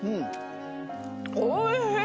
おいしい！